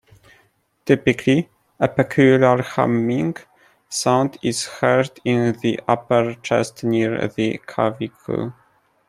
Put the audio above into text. Typically, a peculiar humming sound is heard in the upper chest near the clavicle.